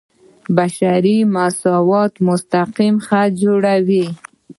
بشپړ مساوات مستقیم خط جوړوي.